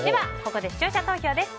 ここで視聴者投票です。